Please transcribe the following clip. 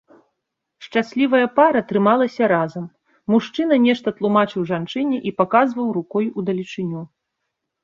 Шчаслівая пара трымалася разам, мужчына нешта тлумачыў жанчыне і паказваў рукой удалечыню.